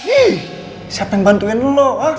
eh siapa yang bantuin lo